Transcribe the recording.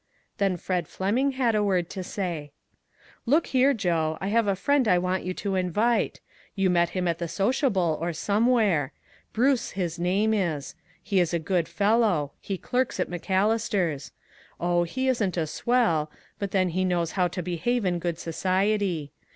Then Fred Fleming had a word to say : 254 ONE COMMONPLACE DAY. " Look here, Joe. I have a friend I want you to invite. You met him at the sociable or somewhere. Bruce his name is; he is a good fellow. He clerks at McAllister's. Oh, he isn't a swell ; but then he knows how to behave in good society.